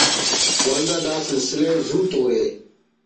ولدا داسلسلہ ءِ زو تورے